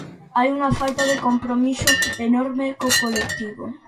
Hai unha falta de compromiso enorme co colectivo.